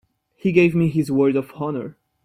He gave me his word of honor.